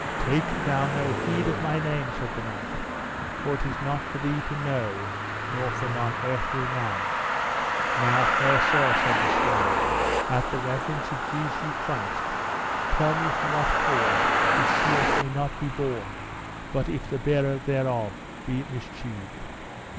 Take thou no heed of my name, said the knight, for it is not for thee to know nor for none earthly man. Now, fair sir, said the squire, at the reverence of Jesu Christ, tell me for what cause this shield may not be borne but if the bearer thereof be mischieved.